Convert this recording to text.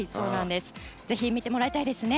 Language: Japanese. ぜひ見てもらいたいですね。